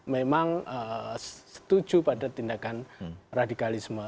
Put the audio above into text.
memang setuju pada tindakan radikalisme